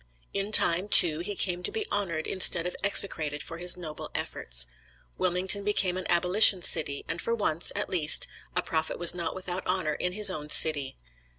In time, too, he came to be honored instead of execrated for his noble efforts. Wilmington became an abolition city, and for once, at least, a prophet was not without honor in his own city.